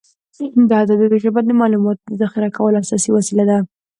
د عددونو ژبه د معلوماتو د ذخیره کولو اساسي وسیله ده.